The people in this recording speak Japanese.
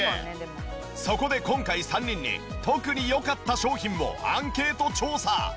そこで今回３人に特に良かった商品をアンケート調査。